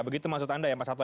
begitu maksud anda ya mas atta